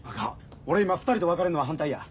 俺今２人と別れるのは反対や。